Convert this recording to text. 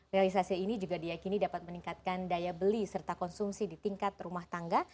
realisasi ini juga diakini dapat meningkatkan daya beli serta konsumsi di tingkat rumah tangga